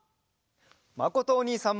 まことおにいさんも！